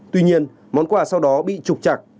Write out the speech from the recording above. tuy nhiên món quà sau đó bị trục chặt